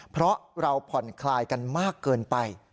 เพราะเราผ่อนคลายกันมากเกินไป